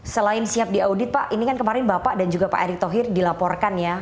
selain siap diaudit pak ini kan kemarin bapak dan juga pak erick thohir dilaporkan ya